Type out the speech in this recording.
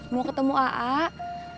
mau ketemu aak